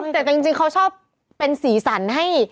แต่จริงเขาชอบเป็นสีสันให้